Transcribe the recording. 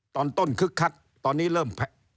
ตอนต้นคึกคักตอนนี้เริ่ม